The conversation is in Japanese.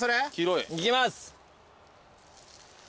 いきます。